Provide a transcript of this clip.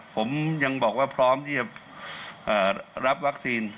ผมยังบอกว่าพร้อมที่จะรับวัคซีน